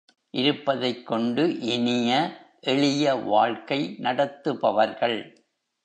இருப்பதைக் கொண்டு இனிய, எளிய வாழ்க்கை நடத்துபவர்கள்.